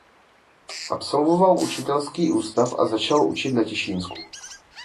Absolvoval učitelský ústav a začal učit na Těšínsku.